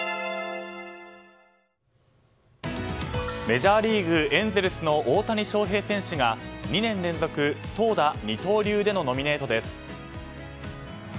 メジャーリーグエンゼルスの大谷翔平選手が２年連続投打二刀流でのノミネートです。